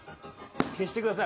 消してください